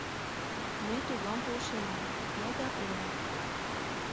Ме тудлан полшена — мый да Оля.